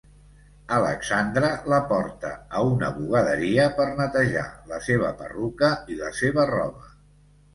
Alexandra la porta a una bugaderia per netejar la seva perruca i la seva roba.